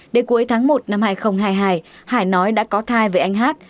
đến cuối tháng một năm hai nghìn hai mươi hai hải nói đã có thai với anh hát